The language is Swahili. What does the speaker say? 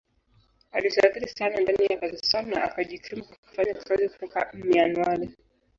Alisafiri sana ndani ya Pakistan na akajikimu kwa kufanya kazi kutoka Mianwali.